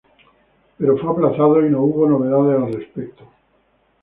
Pero fue aplazado y no hubo novedades al respecto.